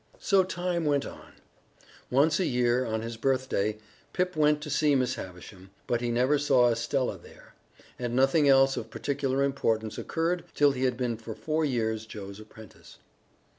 So time went on. Once a year, on his birthday, Pip went to see Miss Havisham, but he never saw Estella there. And nothing else of particular importance occurred till he had been for four years Joe's apprentice.